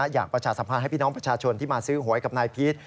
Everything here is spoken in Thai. ประชาสัมพันธ์ให้พี่น้องประชาชนที่มาซื้อหวยกับนายพีช